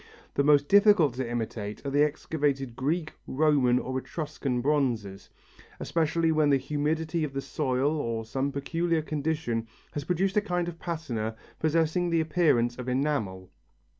The most difficult to imitate are the excavated Greek, Roman or Etruscan bronzes, especially when the humidity of the soil or some peculiar condition has produced a kind of patina possessing the appearance of enamel.